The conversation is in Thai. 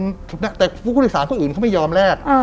พวกคุณศิษณะคุณอื่นพวกอื่นเค้ายอมแลก